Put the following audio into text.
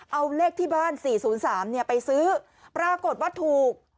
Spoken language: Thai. เอาเลขที่บ้านสี่ศูนย์สามเนี่ยไปซื้อปรากฏว่าถูก